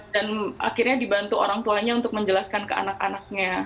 dan akhirnya dibantu orang tuanya untuk menjelaskan ke anak anaknya